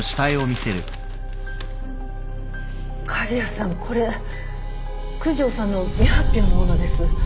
狩矢さんこれ九条さんの未発表のものです。